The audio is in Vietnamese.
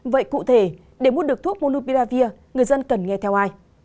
vậy cụ thể để mua được thuốc monubiravir người dân cần nghe theo ai